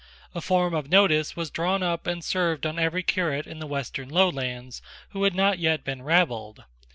A form of notice was drawn up and served on every curate in the Western Lowlands who had not yet been rabbled.